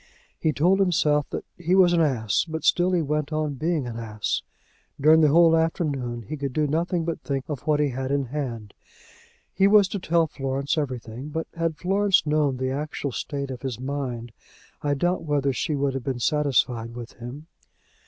He told himself that he was an ass, but still he went on being an ass. During the whole afternoon he could do nothing but think of what he had in hand. He was to tell Florence everything, but had Florence known the actual state of his mind, I doubt whether she would have been satisfied with him.